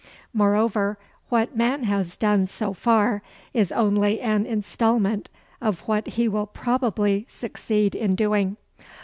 Moreover, what man has done so far is only an instalment of what he will probably succeed in doing.